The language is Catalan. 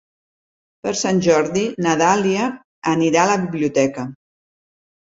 Per Sant Jordi na Dàlia anirà a la biblioteca.